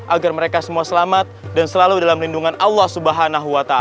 agar mereka semua selamat dan selalu dalam lindungan allah swt